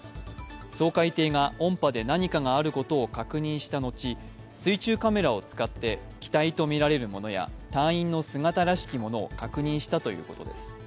掃海艇が音波で何かがあることを確認した後、水中カメラを使って機体とみられるものや隊員の姿らしきものを確認したということです。